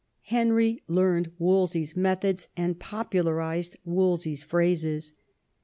.Henry learned Wolsey's methods, and popularised Wolse/s phrases.